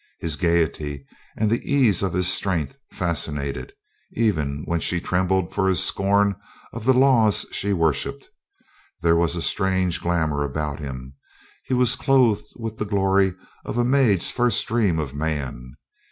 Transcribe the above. His gaiety and the ease of his strength fascinated. Even when she trembled for his scorn of the laws she worshipped, there was a strange glamour about him. He was clothed with the glory of a maid's first dream of man.